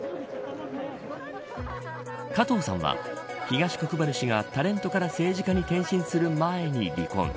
かとうさんは、東国原氏がタレントから政治家に転身する前に離婚。